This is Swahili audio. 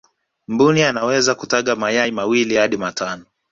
mbuni anawezo kutaga mayai mawili hadi matano